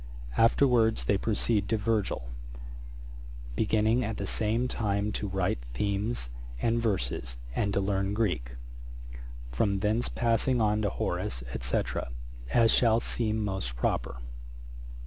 'Afterwards they proceed to Virgil, beginning at the same time to write themes and verses, and to learn Greek; from thence passing on to Horace, &c. as shall seem most proper.